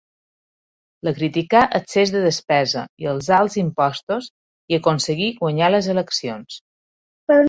Li criticà excés de despesa i els alts impostos i aconseguí guanyar les eleccions.